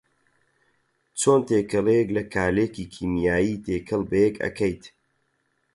چۆن تێکەڵیەک لە کارلێکی کیمیایی تێکەڵ بەیەک ئەکەیت